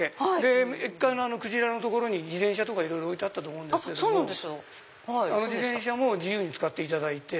１階のクジラの所に自転車とか置いてあったと思うんですけどあの自転車も自由に使っていただいて。